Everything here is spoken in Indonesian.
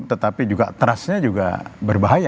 tetapi juga trustnya juga berbahaya